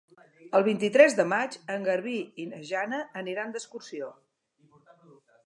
El vint-i-tres de maig en Garbí i na Jana aniran d'excursió.